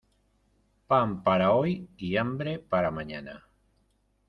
Pan para hoy y hambre para mañana.